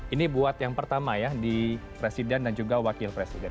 ini buat yang pertama ya di presiden dan juga wakil presiden